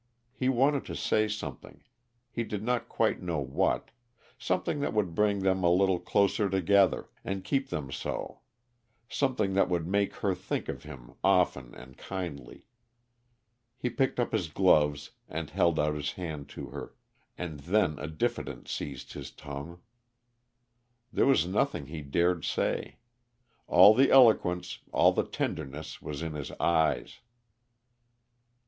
He wanted to say something he did not quite know what something that would bring them a little closer together, and keep them so; something that would make her think of him often and kindly. He picked up his gloves and held out his hand to her and then a diffidence seized his tongue. There was nothing he dared say. All the eloquence, all the tenderness, was in his eyes.